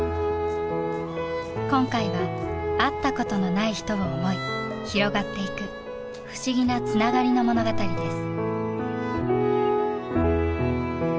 今回は会ったことのない人を想い広がっていく不思議なつながりの物語です。